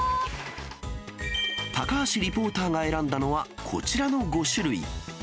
高橋リポーターが選んだのが、こちらの５種類。